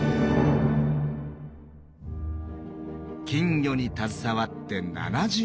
金魚に携わって７０年。